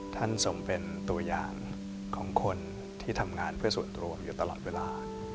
ท่านทรงเป็นตัวอย่างของคนที่ทำงานเพื่อส่วนรวมอยู่ตลอดเวลา